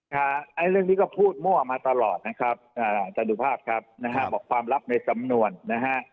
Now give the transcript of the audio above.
ไอ้เรื่องนี้ก็พูดมั่วมาตลอดนะครับอาจารย์สุภาพครับนะฮะบอกความลับในสำนวนนะฮะ